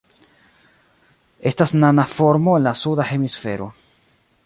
Estas nana formo en la Suda Hemisfero.